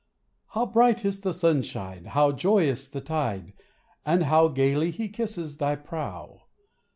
How bright is the sunshine, how joyous the tide, And how gaily he kisses thy prow